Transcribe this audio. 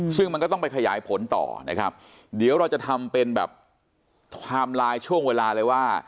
ซึ่งมันก็ต้องไปขยายผลต่อนะครับเดี๋ยวเราจะทำเป็นแบบไทม์ไลน์ช่วงเวลาเลยว่า